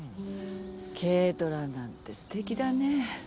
軽トラなんてすてきだねぇ。